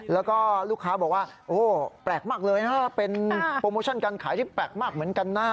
แล้วก็ลูกค้าบอกว่าโอ้แปลกมากเลยนะเป็นโปรโมชั่นการขายที่แปลกมากเหมือนกันนะ